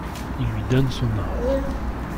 Il lui donne son or.